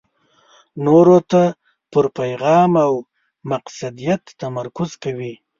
نورو ته پر پېغام او مقصدیت تمرکز کوي.